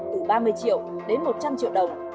từ ba mươi triệu đến một trăm linh triệu đồng